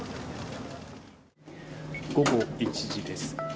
午後１時です。